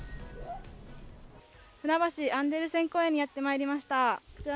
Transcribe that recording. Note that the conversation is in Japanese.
ふなばしアンデルセン公園にやってまいりました。